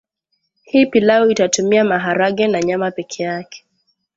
Hii pilau inatumia maharage na nyama peke yake